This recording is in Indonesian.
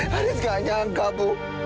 haris gak nyangka bu